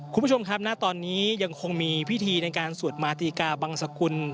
คุณผู้ชมครับณตอนนี้ยังคงมีพิธีในการสวดมาติกาบังสกุล